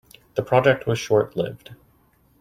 The project was short-lived.